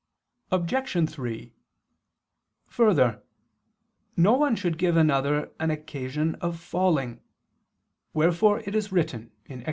Obj. 3: Further, no one should give another an occasion of falling; wherefore it is written (Ex.